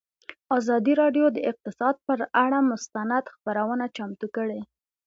ازادي راډیو د اقتصاد پر اړه مستند خپرونه چمتو کړې.